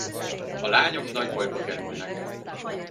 A lányok nagy bajba kerülnek.